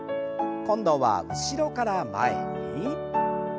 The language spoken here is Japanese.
今度は後ろから前に。